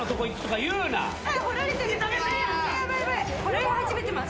掘られ始めてます。